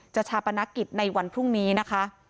ชาปนกิจในวันพรุ่งนี้นะคะ